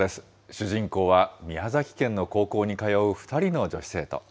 主人公は宮崎県の高校に通う２人の女子生徒。